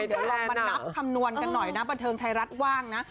เดี๋ยวลองมานับคำนวณกันหน่อยนะบันเทิงไทยรัฐว่างนะ